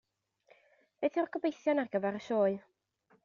Beth yw'r gobeithion ar gyfer y sioe?